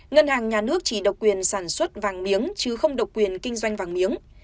ngân hàng nhà nước chỉ độc quyền sản xuất vàng miếng chứ không độc quyền kinh doanh vàng miếng